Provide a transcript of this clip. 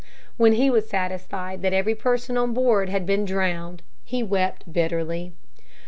When he was satisfied that every person on board had been drowned he wept bitterly.